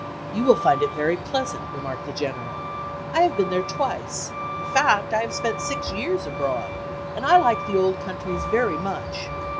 "You will find it very pleasant," remarked the General; "I have been there twice, in fact I have spent six years abroad, and I like the old countries very much."